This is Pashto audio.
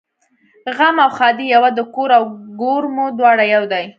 غم او ښادي یوه ده کور او ګور مو دواړه یو دي